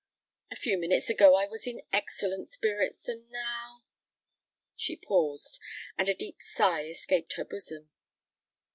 A few minutes ago I was in excellent spirits; and now——" She paused—and a deep sigh escaped her bosom.